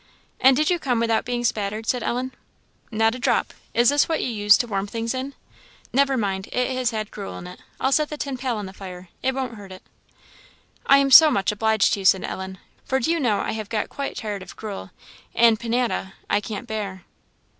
"And did you come without being spattered?" said Ellen. "Not a drop. Is this what you use to warm things in? Never mind, it has had gruel in it; I'll set the tin pail on the fire; it won't hurt it." "I am so much obliged to you," said Ellen, "for do you know I have got quite tired of gruel, and panada I can't bear."